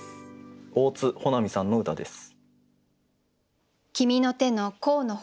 大津穂波さんの歌です。